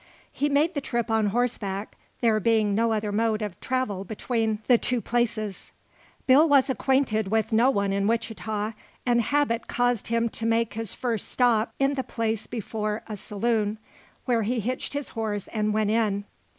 He made the trip on horseback, there being no other mode of travel between the two places. Bill was acquainted with no one in Wichita, and habit caused him to make his first stop in the place before a saloon, where he hitched his horse and went in.